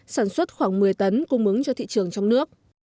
sản xuất khoảng một mươi tấn cung ứng cho thị trường trong nước